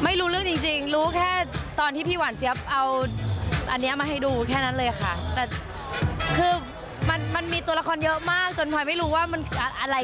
ว่าต้องตบตีอย่างง่ายบ้างหลาย